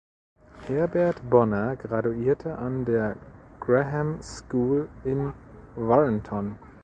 Herbert Bonner graduierte an der "Graham School" in Warrenton.